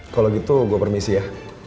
kalau gitu gue permisi ya